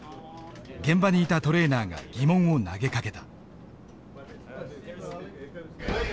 現場にいたトレーナーが疑問を投げかけた。